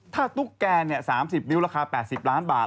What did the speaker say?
ถ้าตุ๊กแก๓๐นิ้วราคา๘๐ล้านบาท